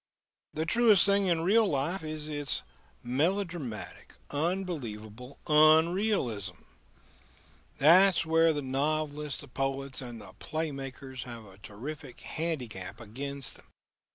The truest thing in real life is its melodramatic, unbelievable unrealism. That's where the novelists, the poets, and the play makers have a terrific handicap against them.